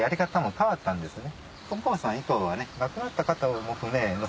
変わったんですよね。